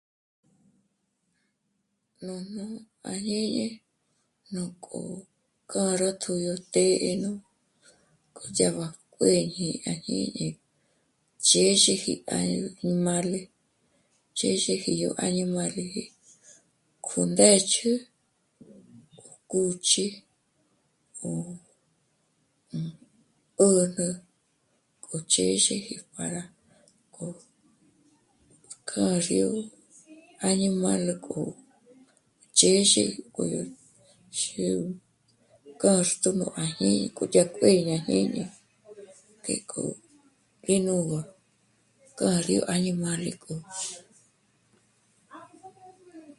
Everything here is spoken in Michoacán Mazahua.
Nújnu à jñíni nù k'o k'â'a ró k'o yó të́'ë, k'o yá b'á juêñi à jñíñi chjêxeji pa yó mâle, chjêxeji yó añimále jé k'o ndë̌ch'ü, kúchi, ó 'ä̀jnä, k'o chjêxeji para k'o... k'ar yó añimále k'o chêxe k'o yó xiò kâxt'ü nù à jñíñi k'o dyá'k'o yá kuéñe à jñiñi k'e ó í nû'ugö k'ar yó añimale k'o